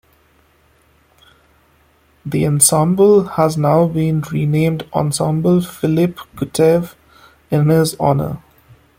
The ensemble has now been renamed Ensemble Philip Kutev in his honor.